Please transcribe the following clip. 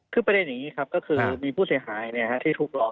คือประเด็นอย่างนี้ครับก็คือมีผู้เสียหายที่ถูกหลอก